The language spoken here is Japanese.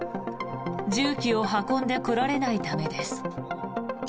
重機を運んでこられないためです。